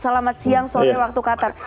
selamat siang sore waktu qatar